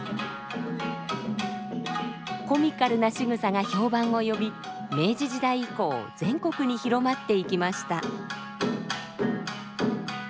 コミカルなしぐさが評判を呼び明治時代以降全国に広まっていきました。